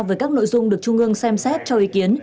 về các nội dung được trung ương xem xét cho ý kiến